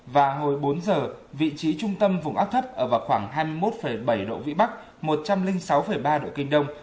và hồi bốn giờ vị trí trung tâm vùng áp thấp ở vào khoảng hai mươi một bảy độ vĩ bắc một trăm linh sáu ba độ kinh đông